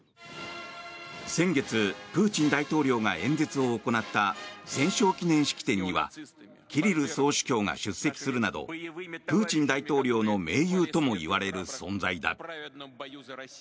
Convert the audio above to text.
先月、プーチン大統領が演説を行った戦勝記念式典にはキリル総主教が出席するなどプーチン大統領の盟友ともいわれる存在だ。